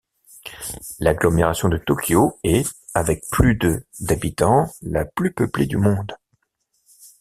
L’agglomération de Tokyo est, avec plus de d’habitants, la plus peuplée du monde.